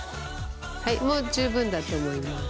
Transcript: はいもう十分だと思います。